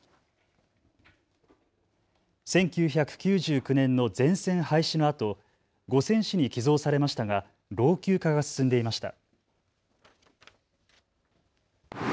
１９９９年の全線廃止のあと五泉市に寄贈されましたが老朽化が進んでいました。